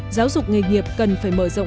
giáo dục nghề nghiệp cần phải mở rộng